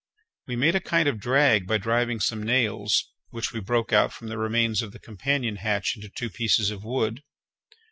We made a kind of drag by driving some nails which we broke out from the remains of the companion hatch into two pieces of wood.